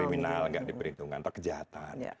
kriminal nggak diperhitungkan atau kejahatan